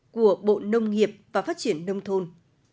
của bộ nông nghiệp và phát triển nông thôn